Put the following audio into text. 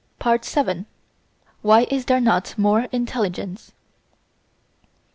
§ 7 Why is there not more Intelligence?